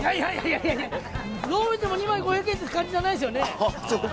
いやいや、どう見ても２枚５００円って感じじゃないですよね。